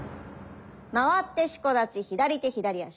回って四股立ち左手左足。